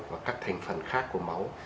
và các thành phần khác của máu